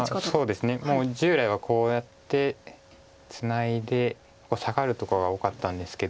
そうですねもう従来はこうやってツナいでサガるとかが多かったんですけど。